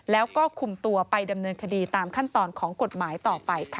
แล้วก็คุมตัวไปดำเนินคดีตามขั้นตอนของกฎหมายต่อไปค่ะ